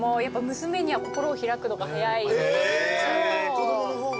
子供の方が。